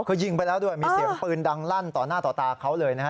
คือยิงไปแล้วด้วยมีเสียงปืนดังลั่นต่อหน้าต่อตาเขาเลยนะฮะ